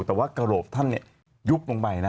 แต่ว่ากระโหลกท่านยุบลงไปนะ